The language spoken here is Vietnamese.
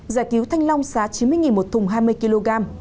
giải cứu thanh long giá chín mươi một thùng hai mươi kg